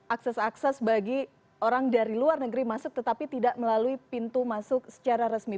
akses akses bagi orang dari luar negeri masuk tetapi tidak melalui pintu masuk secara resmi